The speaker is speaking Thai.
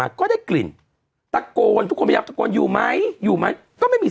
ก็ได้กลิ่นตะโกนทุกคนพยายามตะโกนอยู่ไหมอยู่ไหมก็ไม่มี